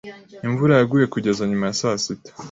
Imvura yaguye kugeza nyuma ya saa sita.